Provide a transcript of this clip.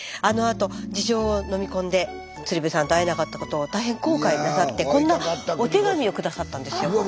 あのあと事情を飲み込んで鶴瓶さんと会えなかったことを大変後悔なさってこんなお手紙を下さったんですよ。